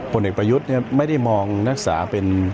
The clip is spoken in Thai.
ผลเอกประยุทธ์ไม่ได้มองนักศึกษาเป็น